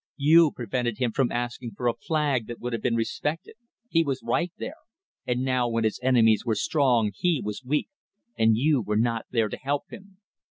You prevented him from asking for a flag that would have been respected he was right there and now when his enemies were strong he was weak, and you were not there to help him.